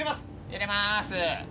揺れます